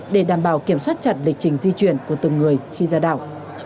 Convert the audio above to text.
để đảm bảo kiểm soát chặt lịch trình di chuyển của từng người khi ra đảo